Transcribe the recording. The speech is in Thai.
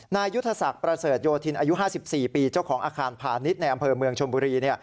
ยุทธศักดิ์ประเสริฐโยธินอายุ๕๔ปีเจ้าของอาคารพาณิชย์ในอำเภอเมืองชมบุรี